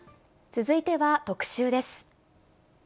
続いては特集です。